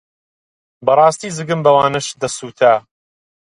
بەڕاستی زگم بەوانەش دەسووتا.